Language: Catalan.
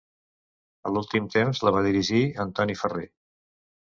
A l'últim temps la va dirigir Antoni Ferrer.